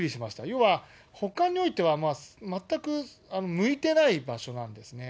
要は、保管においては全く向いてない場所なんですね。